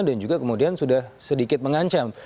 dan juga kemudian sudah sedikit mengancam